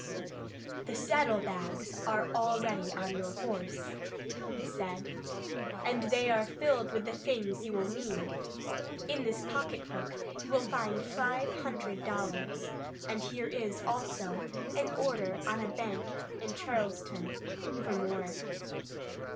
"The saddlebags are already on your horse," he said, "and they are filled with the things you will need. In this pocket book you will find five hundred dollars, and here is, also, an order on a bank in Charleston for more.